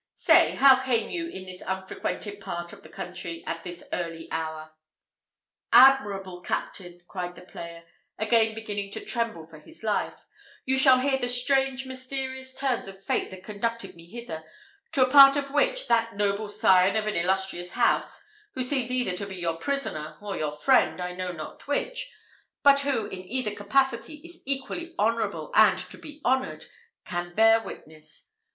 Say, how came you in this unfrequented part of the country, at this early hour?" "Admirable captain!" cried the player, again beginning to tremble for his life, "you shall hear the strange mysterious turns of fate that conducted me hither, to a part of which, that noble scion of an illustrious house who seems either to be your prisoner or your friend, I know not which; but who, in either capacity, is equally honourable and to be honoured can bear witness.